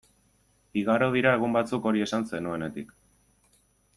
Igaro dira egun batzuk hori esan zenuenetik.